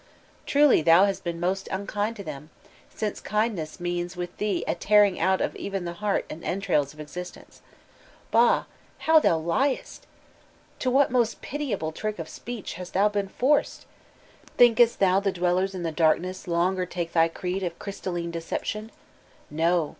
Truly thou hast been most unkind to them, since kindness means with thee a tearing out of e'en the heart and entrails of existence. Bahl how thou liestl To what most pitiable trick of speech hast thou been forced ! Think'st thou the dwdlers in the darkness longer take thy creed of crystalline de> ception! No!